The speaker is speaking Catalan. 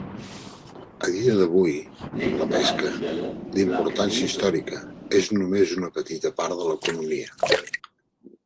A dia d'avui, la pesca, d'importància històrica, és només una petita part de l'economia.